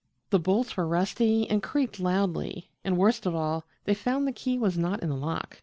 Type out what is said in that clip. The bolts were rusty and creaked loudly, and, worst of all, they found the key was not in the lock.